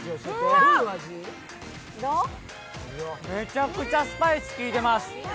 めちゃくちゃスパイスきいてます。